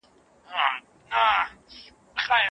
ښوونکی د زدهکوونکو سره د باور اړیکه جوړوي.